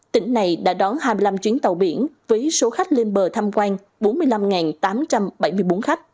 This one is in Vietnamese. tỉnh này đã đón hai mươi năm chuyến tàu biển với số khách lên bờ tham quan bốn mươi năm tám trăm bảy mươi bốn khách